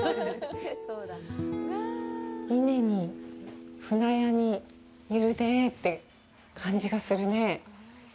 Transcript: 伊根に、舟屋にいるねって感じがするね。